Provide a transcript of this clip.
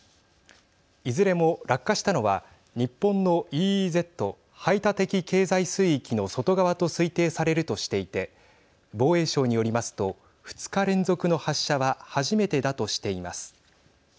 いずれも落下したのは日本のＥＥＺ＝排他的経済水域の外側と推定されるとしていて防衛省によりますと２日連続の発射は初めてだとしています。